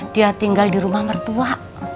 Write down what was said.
dia tinggal di rumah mertua